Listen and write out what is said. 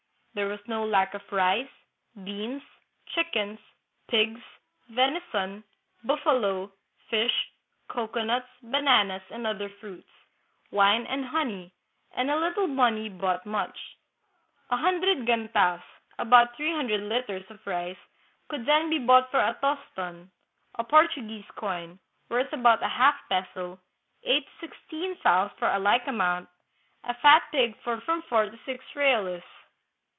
There was no lack of rice, beans, chickens, pigs, venison, buffalo, fish, cocoanuts, bananas, and other fruits, wine and honey; and a little money bought much. A hundred gantas (about three hundred liters) of rice could then be bought for a toston (a Portuguese coin, worth about a half peso), eight to sixteen fowls for a like amount, a fat pig for from four to six reales.